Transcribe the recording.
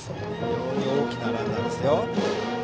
非常に大きなランナーですよ。